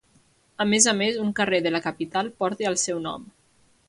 A més a més, un carrer de la capital porta el seu nom.